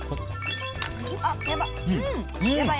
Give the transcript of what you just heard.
やばい。